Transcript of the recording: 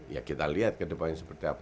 ya kita lihat ke depannya seperti apa